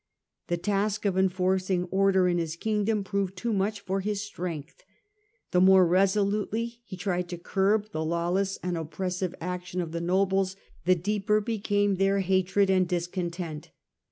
The task of enforcing order in his kingdom proved too much for his strength. The more resolutely he tried to curb the lawless and oppressive action of the nobles the Digitized by VjOOQIC 176 HlLDEBRAND ieeper became their hatred and discontent.